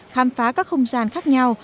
khám phá các không gian khác nhau